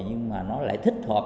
nhưng mà nó lại thích hợp